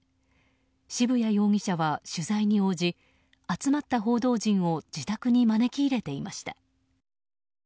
渋谷容疑者は取材に応じ集まった報道陣を自宅に招き入れていました。